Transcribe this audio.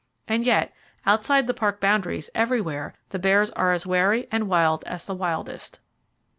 And yet, outside the Park boundaries, everywhere, the bears are as wary and wild as the wildest.